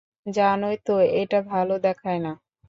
জানোই তো, এটা ভালো দেখায় না।